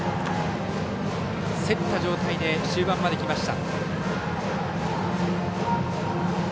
競った状態で終盤まできました。